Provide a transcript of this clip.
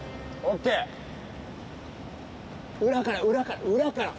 裏から、裏から。